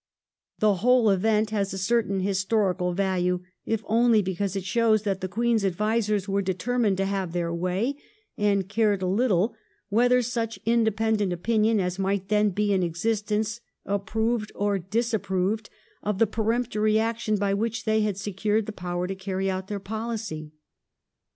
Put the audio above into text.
The whole event has a certain historical value, if only because it shows that the Queen's advisers were determined to have their way, and cared little whether such independent opinion as might then be in existence approved or disapproved of the peremptory action by which they had secured the power to carry out their pohcy.